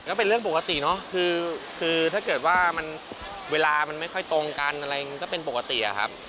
ก็เป็นเรื่องปกติเนอะคือถ้าเกิดว่ามันเวลามันไม่ค่อยตรงกันอะไรมันก็เป็นปกติอะครับ